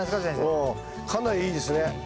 おおかなりいいですね。